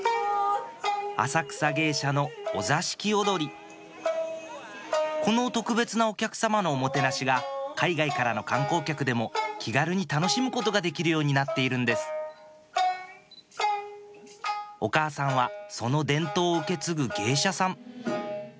浅草芸者のお座敷おどりこの特別なお客さまのおもてなしが海外からの観光客でも気軽に楽しむことができるようになっているんですお母さんはその伝統を受け継ぐ芸者さん